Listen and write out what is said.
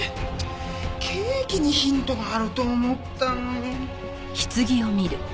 ケーキにヒントがあると思ったのに。